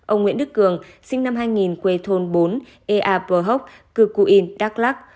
ông nguyễn đức cường sinh năm hai nghìn quê thôn bốn ea pờ hốc cư cụ yên đắk lắc